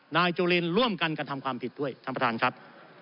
นายจุลินร่วมกันกระทำความผิดด้วยท่านประธานครับ